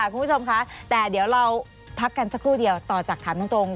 คุณผู้ชมคะแต่เดี๋ยวเราพักกันสักครู่เดียวต่อจากถามตรง